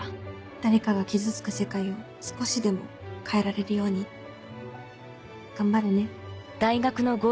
誰かが傷つく世界を少しでも変えられるように頑張るね。